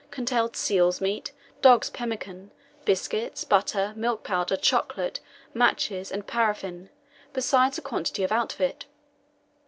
contained seal meat, dogs' pemmican, biscuits, butter, milk powder, chocolate, matches, and paraffin, besides a quantity of outfit.